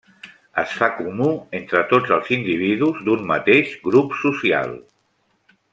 Es fa comú entre tots els individus d'un mateix grup social.